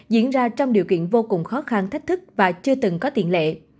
diễn ra trong điều kiện vô cùng khó khăn thách thức và chưa từng có tiền lệ